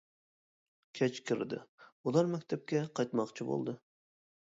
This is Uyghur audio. كەچ كىردى، ئۇلار مەكتەپكە قايتماقچى بولدى.